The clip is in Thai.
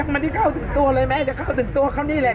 ยังไม่ได้เข้าถึงตัวแล้วเมื่อแม่เข้าถึงตัวเขานี่แหละ